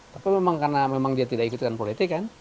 tapi memang karena dia tidak ikutkan politik kan